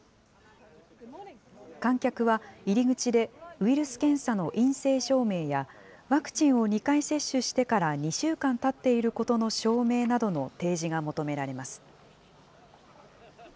観客は入り口で、ウイルス検査の陰性証明や、ワクチンを２回接種してから２週間たっていることの証明などの提示が求められます。